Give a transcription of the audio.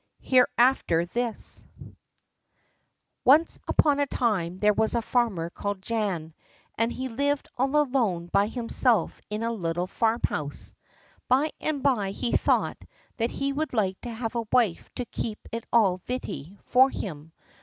Hereafterthis Once upon a time there was a farmer called Jan, and he lived all alone by himself in a little farmhouse. By and by he thought that he would like to have a wife to keep it all vitty for him.